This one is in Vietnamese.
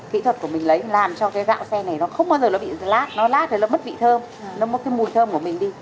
kỹ thuật của mình lấy làm cho cái gạo xe này nó không bao giờ nó bị lát nó lát thì nó mất vị thơm nó mất cái mùi thơm của mình đi